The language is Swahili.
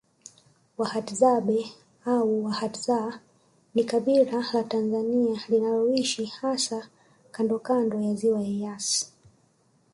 Wahadzabe au Wahadza ni kabila la Tanzania linaloishi hasa kandooando ya ziwa Eyasi